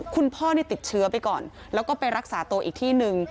คุณพ่อนี่ติดเชื้อไปก่อนแล้วก็ไปรักษาตัวอีกที่หนึ่ง